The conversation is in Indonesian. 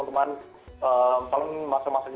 mungkin masak masak doang makan makan bareng